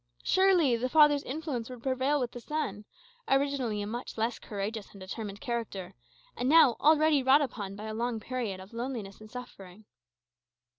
Surely the father's influence would prevail with the son, originally a much less courageous and determined character, and now already wrought upon by a long period of loneliness and suffering.